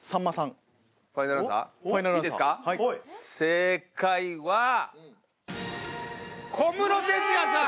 正解は小室哲哉さん！